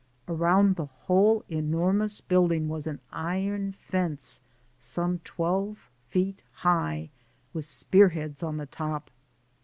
Around the whole enormous building was an iron fence some twelve feet high, with spear heads on the top.